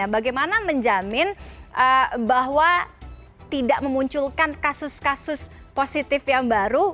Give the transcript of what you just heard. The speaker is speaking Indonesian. bagaimana menjamin bahwa tidak memunculkan kasus kasus positif yang baru